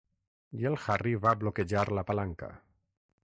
I el Harry va bloquejar la palanca.